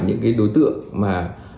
những đối tượng mà